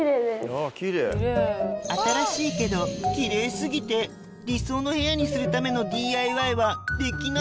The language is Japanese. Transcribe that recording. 新しいけどキレイ過ぎて理想の部屋にするためのＤＩＹはできなさ